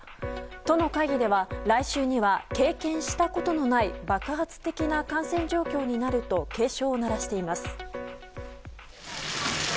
都の会議では来週には経験したことのない爆発的な感染状況になると警鐘を鳴らしています。